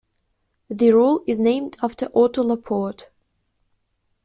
The rule is named after Otto Laporte.